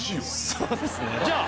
そうですねじゃ